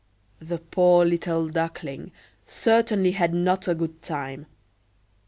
The poor little Duckling certainly had not a good time.